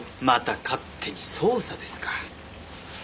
また勝手に捜査ですか。